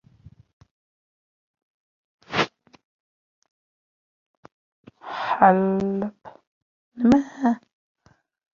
xalq diplomatiyasi tamoyilini